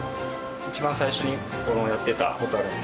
一番最初にやってたホタル。